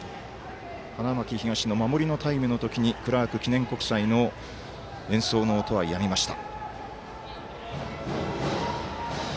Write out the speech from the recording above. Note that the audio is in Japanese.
花巻東の守りのタイムの時にクラーク記念国際の演奏の音はやみました。